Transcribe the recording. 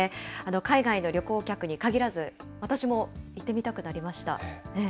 海外の旅行客にかぎらず、私も行ってみたくなりました。